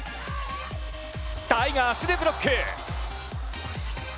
タイが足でブロック！